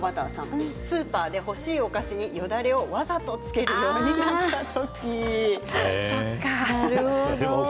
スーパーで欲しいお菓子にわざとよだれをつけるようになった時。